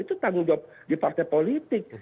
itu tanggung jawab di partai politik